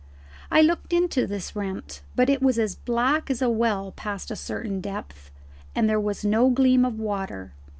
I looked into this rent, but it was as black as a well past a certain depth, and there was no gleam of water.